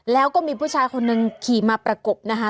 แล้วก็มีผู้ชายคนหนึ่งขี่มาประกบนะคะ